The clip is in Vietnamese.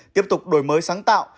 tiếp tục đổi mới sáng tạo